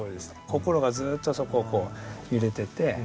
心がずっとそこをこう揺れてて。